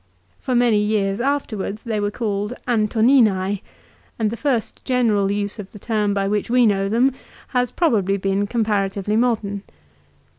For many years afterwards they were called Antoni anse, and the first general use of the term by which we know them has probably been comparatively modern.